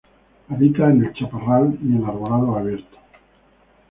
Habita en el Chaparral, y en arbolados abiertos.